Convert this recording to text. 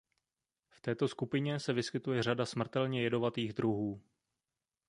V této skupině se vyskytuje řada smrtelně jedovatých druhů.